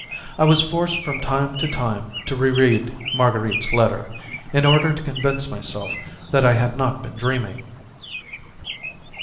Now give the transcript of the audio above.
I was forced from time to time to reread Marguerite's letter, in order to convince myself that I had not been dreaming.